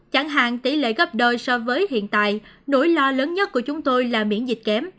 chẳng hạn tỷ lệ gấp đôi so với hiện tại nỗi lo lớn nhất của chúng tôi là miễn dịch kém